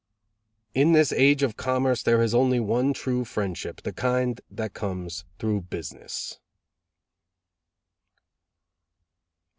"In this age of commerce there is only one true friendship, the kind that comes through business."